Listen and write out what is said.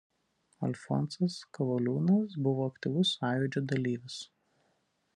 Alfonsas Kavoliūnas buvo aktyvus Sąjūdžio dalyvis.